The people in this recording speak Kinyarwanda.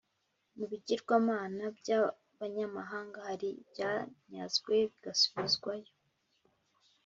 mu bigirwamana by abanyamahanga hari ibyanyazwe bigasubizwayo